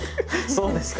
そうですか？